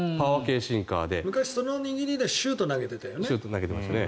昔その握りでシュートを投げてたよね。